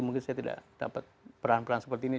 mungkin saya tidak dapat peran peran seperti ini